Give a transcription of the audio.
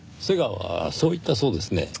瀬川はそう言ったそうですね？